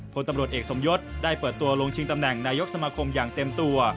พลตำรวจเอกสมยศได้เปิดตัวลงชิงตำแหน่งนายกสมาคมอย่างเต็มตัว